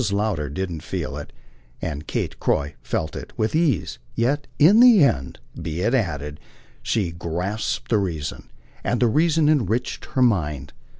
Lowder didn't feel it, and Kate Croy felt it with ease; yet in the end, be it added, she grasped the reason, and the reason enriched her mind.